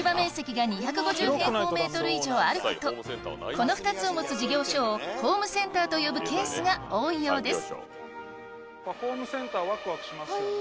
この２つを持つ事業所をホームセンターと呼ぶケースが多いようです